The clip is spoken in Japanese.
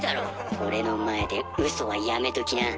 俺の前でうそはやめときな。